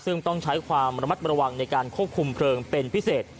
ซึ่งต้องใช้ความระมัดระวังในการควบคุมเพลิงเป็นพิเศษ